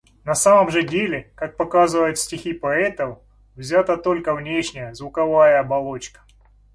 На самом же деле, как показывают стихи поэтов, взята только внешняя, звуковая оболочка.